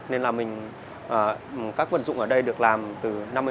nên là mình các vật dụng ở đây được làm từ năm mươi